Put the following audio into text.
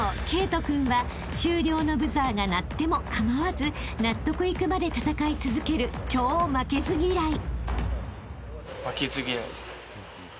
慧登君は終了のブザーが鳴っても構わず納得いくまで戦い続ける超負けず嫌い］